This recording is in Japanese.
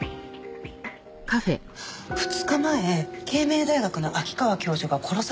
２日前慶明大学の秋川教授が殺されましたよね？